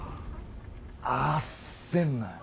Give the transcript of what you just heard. あっせんなよ